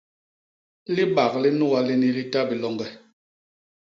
Libak li nuga lini li ta bé loñge.